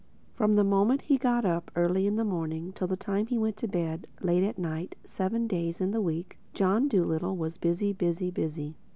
From the moment that he got up, early in the morning, till the time he went to bed, late at night—seven days in the week—John Dolittle was busy, busy, busy.